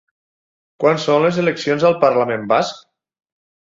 Quan són les eleccions al parlament basc?